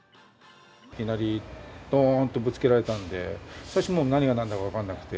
いきなり、どーんとぶつけられたんで、最初もう、何がなんだか分からなくて。